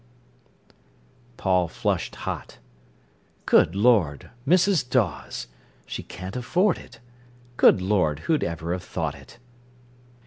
—C.D." Paul flushed hot. "Good Lord! Mrs. Dawes. She can't afford it. Good Lord, who ever'd have thought it!"